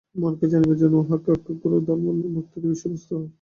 মনকে জানিবার জন্য উহাকে কিভাবে একাগ্র করা যায়, তাহাই বর্তমান বক্তৃতার বিষয়বস্তু।